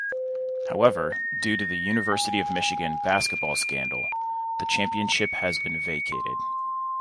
However, due to the University of Michigan basketball scandal the championship has been vacated.